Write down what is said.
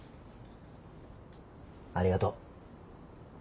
ありがとう。